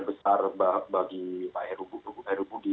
besar bagi pak heru budi